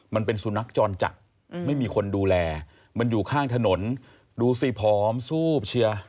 มันเป็นสุนัขจรจัดไม่มีคนดูแลมันอยู่ข้างถนนดูสิผอมซูบเชียร์